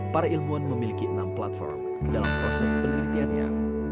para ilmuwan memiliki enam platform dalam proses penelitiannya